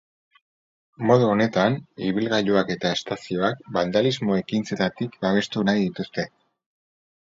Modu honetan, ibilgailuak eta estazioak bandalismo ekintzetatik babestu nahi dituzte.